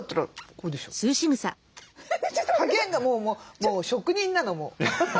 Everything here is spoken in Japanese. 加減がもう職人なのもう。